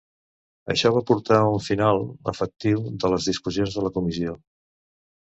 Això va portar a un final efectiu de les discussions de la Comissió.